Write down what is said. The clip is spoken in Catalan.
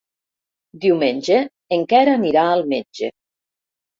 Diumenge en Quer anirà al metge.